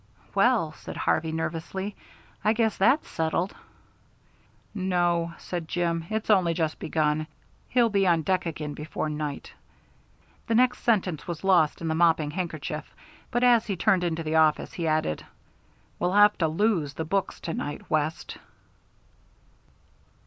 "Well," said Harvey, nervously, "I guess that's settled." "No," said Jim, "it's only just begun. He'll be on deck again before night." The next sentence was lost in the mopping handkerchief, but as he turned into the office, he added, "We'll have to lose the books to night, West."